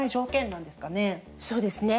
そうですね。